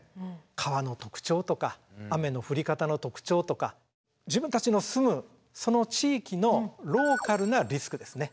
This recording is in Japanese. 川の特徴とか雨の降り方の特徴とか自分たちの住むその地域のローカルなリスクですね。